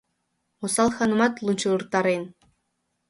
Осал ханымат лунчыртарен.